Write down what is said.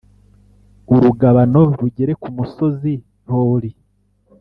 Urugabano rugere ku musozi hori